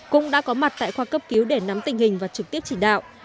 cũng đã có mặt tại khoa cấp cứu để nắm tình hình và trực tiếp chỉ đạo